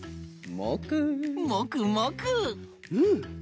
うん！